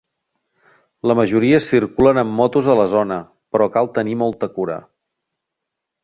La majoria circulen amb motos a la zona, però cal tenir molta cura.